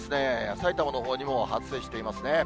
埼玉のほうにも発生していますね。